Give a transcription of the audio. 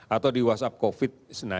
atau di whatsapp covid sembilan belas